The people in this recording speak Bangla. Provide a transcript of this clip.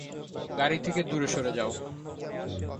গাড়ি থেকে দূরে সরে যাও!